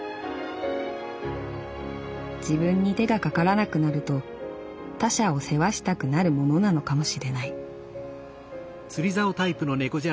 「自分に手がかからなくなると他者を世話したくなるものなのかもしれない」。